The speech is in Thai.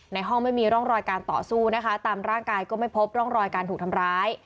ในห้องไม่มีร่องรอยการต่อสู้นะคะตามร่างกายก็ไม่พบร่องรอยการถูกทำร้าย